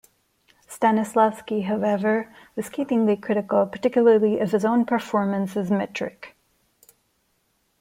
Stanislavski, however, was scathingly critical, particularly of his own performance as Mitrich.